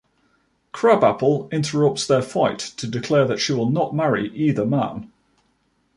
Krabappel interrupts their fight to declare that she will not marry either man.